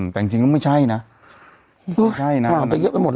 แต่จริงจริงไม่ใช่นะข่าวไปเยอะไปหมดเลย